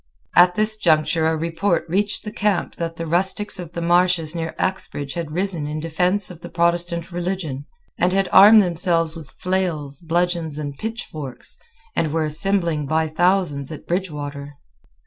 At this juncture a report reached the camp that the rustics of the marshes near Axbridge had risen in defence of the Protestant religion, had armed themselves with flails, bludgeons, and pitchforks, and were assembling by thousands at Bridgewater.